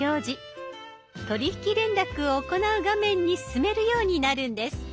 取引連絡を行う画面に進めるようになるんです。